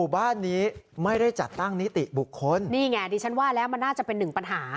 บ้านนี้ไม่ได้จัดตั้งนิติบุคคลนี่ไงดิฉันว่าแล้วมันน่าจะเป็นหนึ่งปัญหา